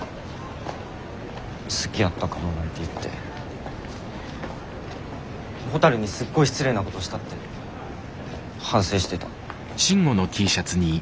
「好きやったかも」なんて言ってほたるにすっごい失礼なことしたって反省してた。